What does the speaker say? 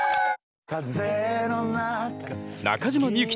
「中島みゆき